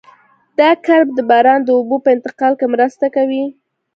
دا کرب د باران د اوبو په انتقال کې مرسته کوي